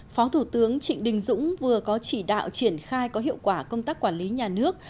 phó thủ tướng trịnh đình dũng vừa có chỉ đạo triển khai có hiệu quả công tác quản lý nhà nước